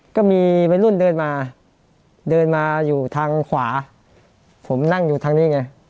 ก็มีวัยรุ่นเดินมาเดินมาอยู่ทางขวาผมนั่งอยู่ทางนี้ไง